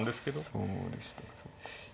そうでしたか。